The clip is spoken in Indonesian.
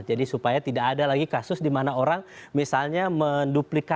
jadi supaya tidak ada lagi kasus di mana orang misalnya menduplikan